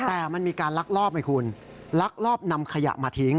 แต่มันมีการลักลอบไงคุณลักลอบนำขยะมาทิ้ง